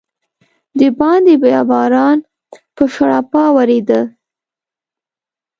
دباندې بیا باران په شړپا ورېده.